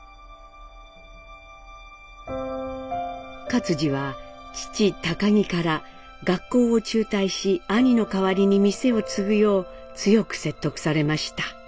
克爾は父儀から学校を中退し兄の代わりに店を継ぐよう強く説得されました。